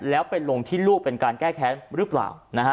แล้วไปลงที่ลูกเป็นการแก้แค้นหรือเปล่านะฮะ